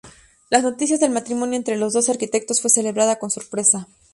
Las noticias del matrimonio entre los dos arquitectos fue celebrada con sorpresa.